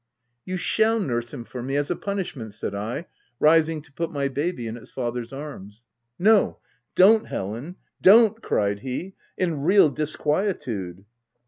" You shall nurse him for me, as a punish n merit," said I, rising to put my baby in its father's arms. "No, don't, Helen — don't!" cried he, in real disquietude.